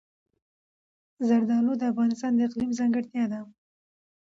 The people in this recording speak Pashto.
زردالو د افغانستان د اقلیم ځانګړتیا ده.